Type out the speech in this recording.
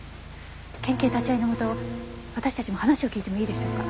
県警立ち会いのもと私たちも話を聞いてもいいでしょうか？